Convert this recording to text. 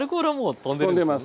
とんでます。